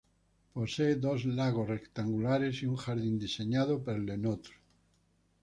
Posee dos lagos rectangulares y un jardín diseñados por Le Nôtre.